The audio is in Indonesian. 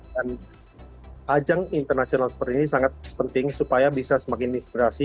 dan ajang internasional seperti ini sangat penting supaya bisa semakin inspirasi